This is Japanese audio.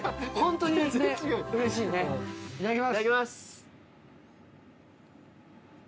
いただきます。